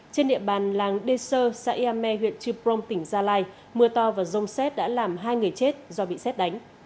trên địa bàn làng đê sơ xã yame huyện trư prong tỉnh gia lai mưa to và rông xét đã làm hai người chết do bị xét đánh